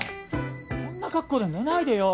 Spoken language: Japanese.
こんなカッコで寝ないでよ